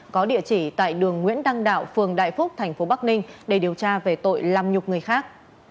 có địa chỉ tại đường nguyễn đăng đạo phường đại phúc thành phố bắc ninh để điều tra về tội làm nhục người khác